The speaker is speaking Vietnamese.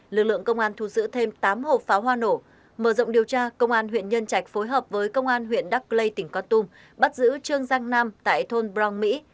lực lượng công an thu giữ thêm tám hộp pháo hoa nổ mở rộng điều tra công an huyện nhân trạch phối hợp với công an huyện đắc lây tỉnh con tum bắt giữ trương giang nam tại thôn brong mỹ